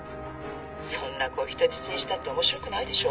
そんな子人質にしたって面白くないでしょ？」